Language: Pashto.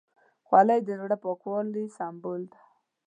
خولۍ د زړه پاکوالي سمبول ده.